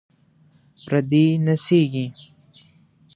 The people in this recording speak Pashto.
پردې نڅیږي